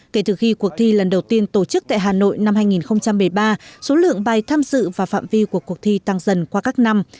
kể từ khi cuộc thi lần đầu tiên tổ chức tại hà nội năm hai nghìn một mươi ba số lượng bài tham dự và phạm vi của cuộc thi tăng dần qua các năm